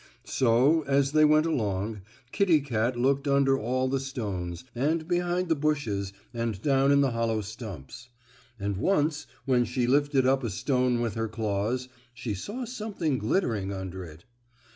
So, as they went along Kittie Kat looked under all the stones and behind the bushes and down in hollow stumps. And once, when she lifted up a stone with her claws, she saw something glittering under it.